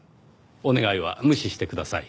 お願いは無視してください。